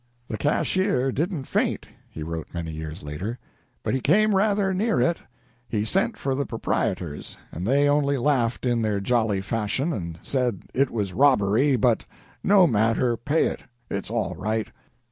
"The cashier didn't faint," he wrote many years later, "but he came rather near it. He sent for the proprietors, and they only laughed in their jolly fashion, and said it was robbery, but `no matter, pay it. It's all right.'